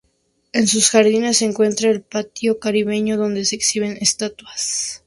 En sus jardines se encuentra el Patio Caribeño, donde se exhiben estatuas.